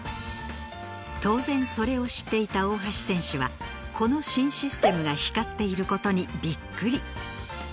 当然、それを知っていた大橋選手はこの新システムが光っていることにびっくり！